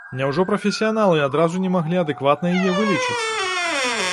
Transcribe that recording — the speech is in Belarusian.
Няўжо прафесіяналы адразу не маглі адэкватна яе вылічыць?